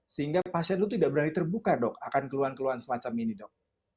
sehingga pasien itu tidak berani terbuka dok akan keluhan keluhan semacam ini dok